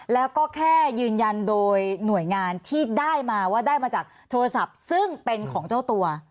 แล้วก็แค่ยืนยันโดยหน่วยงานที่ได้มาว่าได้มาจากโทรศัพท์ซึ่งเป็นของเจ้าตัว